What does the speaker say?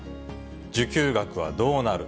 受給額はどうなる？